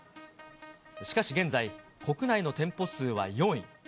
しかし現在、国内の店舗数は４位。